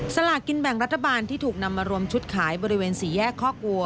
สลากินแบ่งรัฐบาลที่ถูกนำมารวมชุดขายบริเวณสี่แยกคอกวัว